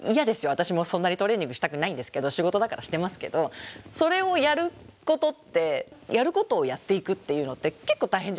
私もそんなにトレーニングしたくないんですけど仕事だからしてますけどそれをやることってやることをやっていくっていうのって結構大変じゃないですか。